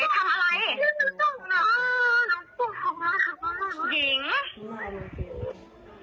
อยู่ตรงนั้น